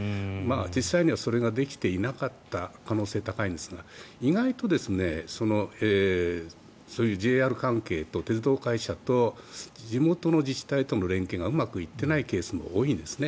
実際にはそれができていなかった可能性が高いんですが意外とそういうＪＲ関係と鉄道会社と地元の自治体との連携がうまくいっていないケースも多いですね。